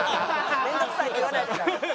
面倒くさいって言わないで。